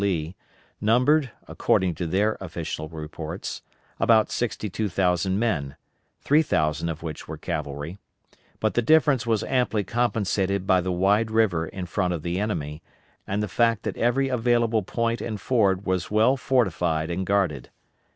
Lee, numbered, according to their official reports, about sixty two thousand men, three thousand of which were cavalry;* but the difference was amply compensated by the wide river in front of the enemy, and the fact that every available point and ford was well fortified and guarded.